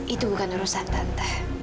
itu bukan urusan tante